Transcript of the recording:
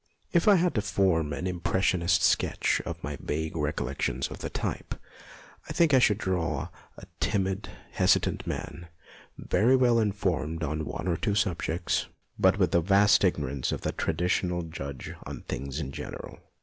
If I had to form an impressionist sketch from my vague recol 154 MONOLOGUES lections of the type, I think I should draw a timid, hesitant man, very well informed on one or two subjects, but with the vast ignorance of the traditional judge on things in general.